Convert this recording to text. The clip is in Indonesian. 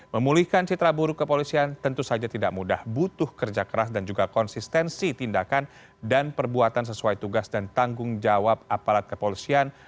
memulihkan citra buruk kepolisian tentu saja tidak mudah butuh kerja keras dan juga konsistensi tindakan dan perbuatan sesuai tugas dan tanggung jawab aparat kepolisian